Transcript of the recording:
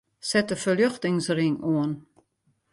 Set de ferljochtingsring oan.